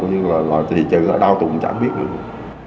thì chẳng ở đâu tôi cũng chẳng biết nữa